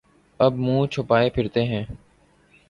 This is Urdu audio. اب منہ چھپائے پھرتے ہیں۔